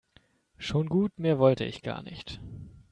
Schon gut, mehr wollte ich gar nicht.